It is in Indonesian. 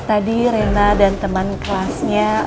tadi rena dan teman kelasnya